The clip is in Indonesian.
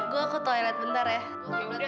gua ke toilet bentar ya